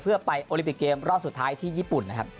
เพื่อไปโอลิปิกเกมรอบสุดท้ายที่ญี่ปุ่นนะครับ